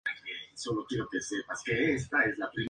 San Cristóbal y Nieves en las olimpíadas